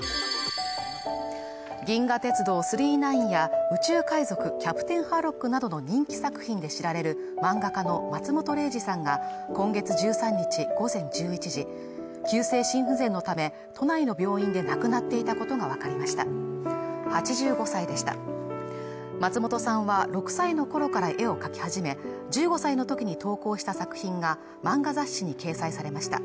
「銀河鉄道９９９」や「宇宙海賊キャプテンハーロック」などの人気作品で知られる漫画家の松本零士さんが今月１３日午前１１時急性心不全のため都内の病院で亡くなっていたことが分かりました８５歳でした松本さんは６歳の頃から絵を描き始め１５歳のときに投稿した作品が漫画雑誌に掲載されました